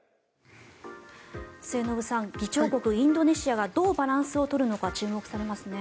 末延さん議長国インドネシアがどうバランスを取るのか注目されますね。